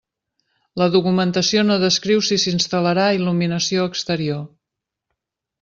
La documentació no descriu si s'instal·larà il·luminació exterior.